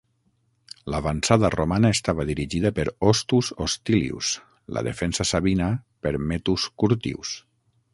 L'avançada romana estava dirigida per Hostus Hostilius, la defensa sabina per Mettus Curtius.